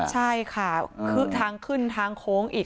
ใช่ค่ะคือทางขึ้นทางโค้งอีก